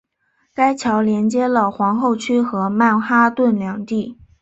该桥连接了皇后区和曼哈顿两地。